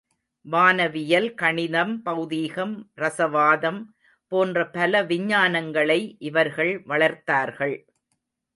வானவியல், கணிதம், பெளதீகம், ரசவாதம் போன்ற பல விஞ்ஞானங்களை இவர்கள் வளர்த்தார்கள்.